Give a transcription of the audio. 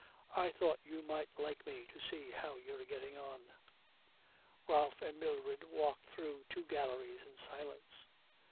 I thought you might like me to see how you're getting on.' Ralph and Mildred walked through two galleries in silence.